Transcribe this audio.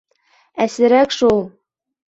— Әсерәк шул.